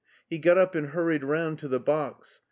He got up and hurried round to the box.